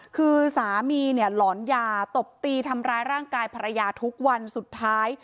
คือสามีเนี่ยหลอนยาตบตีทำร้ายร่างกายภรรยาทุกวันสุดท้าย